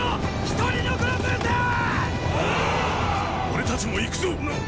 俺たちも行くぞっ！